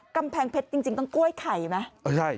กำแพงเพชรจริงต้องกล้วยไข่ไหม